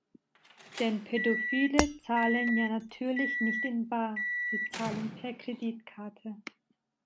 Denn Pädophile zahlen ja natürlich nicht in bar, sie zahlen per Kreditkarte.